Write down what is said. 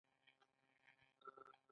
ایران په سوریه او عراق کې نفوذ لري.